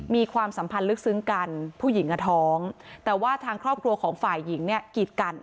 ความสัมพันธ์ลึกซึ้งกันผู้หญิงอ่ะท้องแต่ว่าทางครอบครัวของฝ่ายหญิงเนี่ยกีดกัน